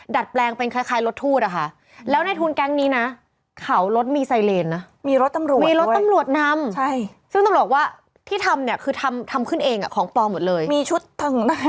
ดัดแปลงเป็นคล้ายรถทูต